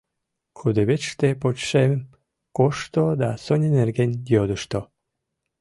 Кудывечыште почешем кошто да Соня нерген йодышто».